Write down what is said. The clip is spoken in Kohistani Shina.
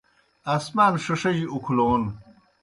آسمان ݜِݜِجیْ اُکھلون